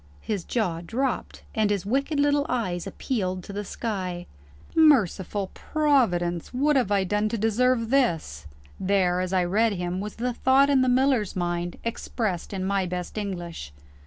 His jaw dropped, and his wicked little eyes appealed to the sky. Merciful Providence! what have I done to deserve this? There, as I read him, was the thought in the miller's mind, expressed in my best English.